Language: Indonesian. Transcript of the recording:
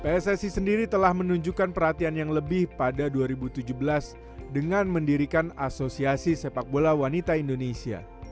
pssi sendiri telah menunjukkan perhatian yang lebih pada dua ribu tujuh belas dengan mendirikan asosiasi sepak bola wanita indonesia